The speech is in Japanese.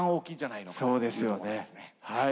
そうですよねはい。